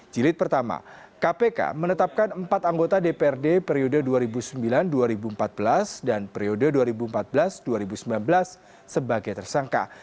jilid pertama kpk menetapkan empat anggota dprd periode dua ribu sembilan dua ribu empat belas dan periode dua ribu empat belas dua ribu sembilan belas sebagai tersangka